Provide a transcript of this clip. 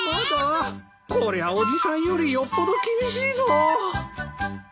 こりゃあ伯父さんよりよっぽど厳しいぞ。